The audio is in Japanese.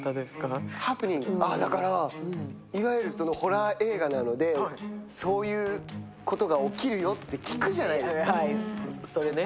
ホラー映画なので、そういうことが起きるよって聞くじゃないですか。